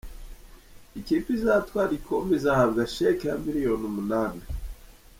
Ikipe izatwara igikombe izahabwa sheki ya miliyoni umunani.